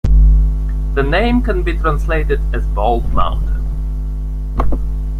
The name can be translated as "bald mountain".